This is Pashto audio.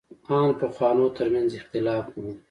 ان پخوانو تر منځ اختلاف و.